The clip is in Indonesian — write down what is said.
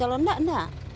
kalau enggak enggak